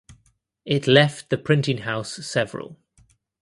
It left the printing house several.